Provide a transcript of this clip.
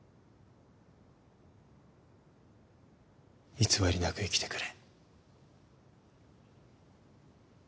偽りなく生きてくれ。